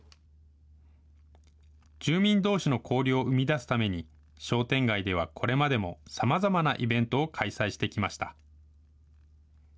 住民どうしの交流を生み出すために、商店街ではこれまでもさまざまなイベントを開催してきました。